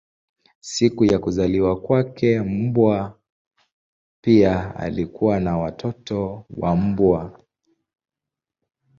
Siku ya kuzaliwa kwake mbwa pia alikuwa na watoto wa mbwa.